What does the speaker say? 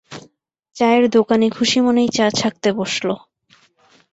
চায়ের দোকানি খুশি মনেই চা ছাঁকতে বসল।